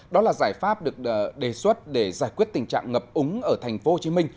đó là giải pháp được đề xuất để giải quyết tình trạng ngập úng ở tp hcm